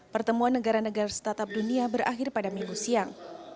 pertemuan negara negara startup dunia berakhir pada minggu siang